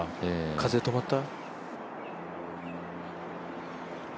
風、止まった？